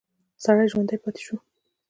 سړی ژوندی پاتې شو.